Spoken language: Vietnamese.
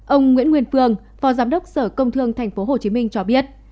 ông nguyễn nguyên phương phó giám đốc sở công thương tp hcm cho biết